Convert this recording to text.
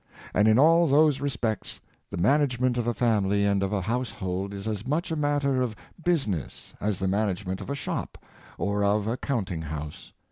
And in all those re spects the management of a family and of a household is as much a matter of business as the management of a shop or of a counting house.